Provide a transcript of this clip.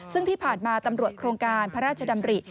ซึ่งที่ผ่านมาตำรวจโครงการพระราชดำริ